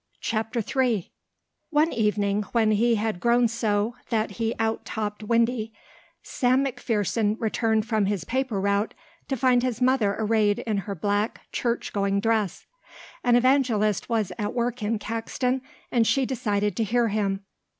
CHAPTER III One evening, when he had grown so that he outtopped Windy, Sam McPherson returned from his paper route to find his mother arrayed in her black, church going dress. An evangelist was at work in Caxton and she had decided to hear him.